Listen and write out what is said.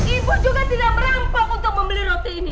ibu juga tidak merampak untuk membeli roti ini